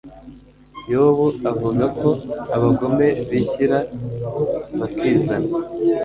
yobu avuga ko abagome bishyira bakizana